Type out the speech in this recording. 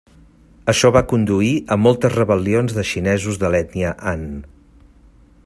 Això va conduir a moltes rebel·lions de xinesos de l'ètnia Han.